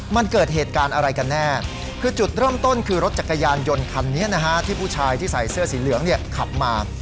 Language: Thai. มันเกิดเหตุการณ์อะไรกันแน่คือจุดเริ่มต้นคือรถจักรยานยนต์คันนี้นะฮะที่ผู้ชายที่ใส่เสื้อสีเหลืองเนี่ยขับมา